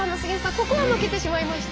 ここは負けてしまいました。